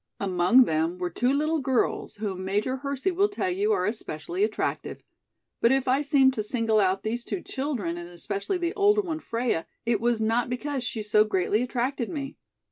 Among them were two little girls, whom Major Hersey will tell you are especially attractive. But if I seemed to single out these two children and especially the older one, Freia, it was not because she so greatly attracted me.